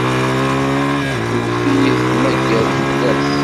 Tewwet-iyi tmaggart fell-as.